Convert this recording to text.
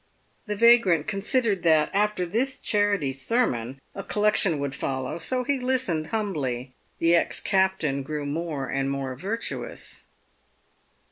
The vagrant considered that, after this charity sermon, a collection would follow, so he listened humbly. The ex captain grew more and more virtuous.